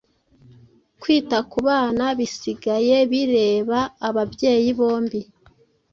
Kwita ku bana bisigaye bireba ababyeyi bombi.